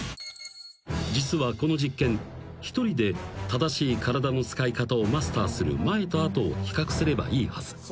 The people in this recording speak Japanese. ［実はこの実験一人で正しい体の使い方をマスターする前と後を比較すればいいはず］